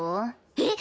えっ？